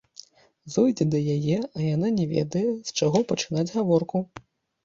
Зойдзе да яе, а яна не ведае, з чаго пачынаць гаворку.